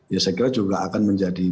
ya saya kira juga akan menjadi